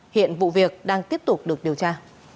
hiện vụ việc đang tiếp tục được điều tra